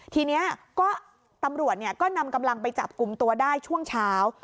ทีนี้ก็ตำรวจก็นำกำลังไปจับกลุ่มตัวได้ช่วงเช้า